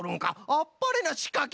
あっぱれなしかけじゃ！